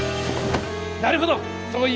なるほど！